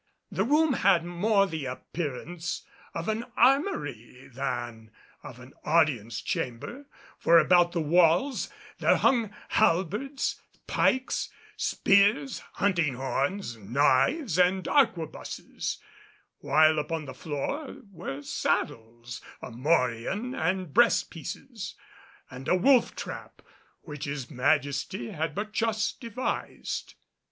The room had more the appearance of an armory than of an audience chamber, for about the walls there hung halberds, pikes, spears, hunting horns, knives and arquebuses; while upon the floor were saddles, a morion and breastpieces, and a wolf trap which his Majesty had but just devised.